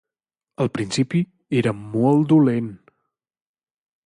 Al principi, era molt dolent.